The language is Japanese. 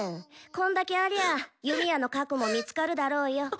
こんだけありゃ弓矢の「核」も見つかるだろうよ。